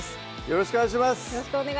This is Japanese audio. よろしくお願いします